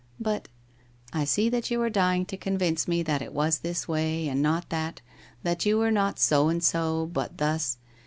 1 But '' I see that you are dying to convince me that it was this way, and not that, that you were not so and so, but thus.